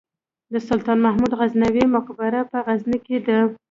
د سلطان محمود غزنوي مقبره په غزني کې ده